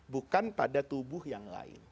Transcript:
bukan pada tubuh yang lain